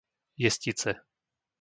Jestice